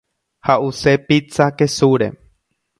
Ha’use pizza kesúre.